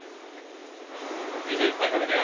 みんないっぱい食べてや！